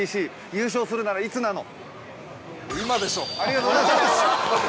「優勝するならいつなの？」。